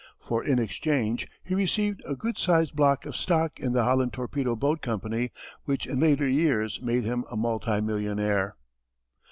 For in exchange he received a good sized block of stock in the Holland Torpedo Boat Company which in later years made him a multi millionaire.